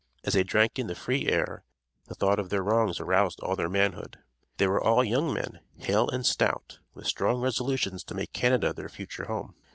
As they drank in the free air, the thought of their wrongs aroused all their manhood. They were all young men, hale and stout, with strong resolutions to make Canada their future home.